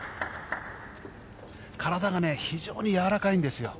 体が非常にやわらかいんですよ。